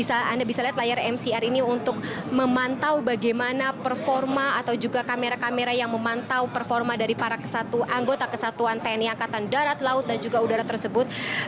anda bisa lihat layar mcr ini untuk memantau bagaimana performa atau juga kamera kamera yang memantau performa dari para anggota kesatuan tni angkatan darat laut dan juga udara tersebut